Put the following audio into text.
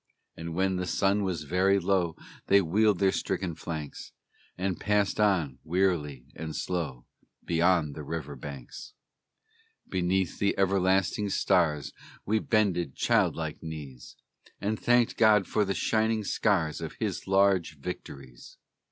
And when the sun was very low They wheeled their stricken flanks, And passed on, wearily and slow, Beyond the river banks. Beneath the everlasting stars We bended child like knees, And thanked God for the shining scars Of His large victories.